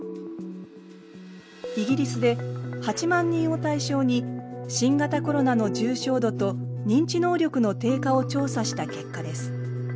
イギリスで８万人を対象に新型コロナの重症度と認知能力の低下を調査した結果です。